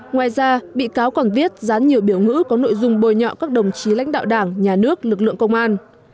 ngoài ra bị cáo còn viết dán nhiều biểu ngữ có nội dung bôi nhọ các đồng chí lãnh đạo đảng nhà nước lực lượng công an